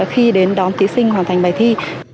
khi đến đón thí sinh hoàn thành bài thi